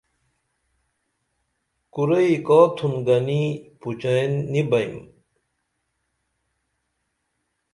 کُرئی کا تُھن گنی پوچئین نی بئیم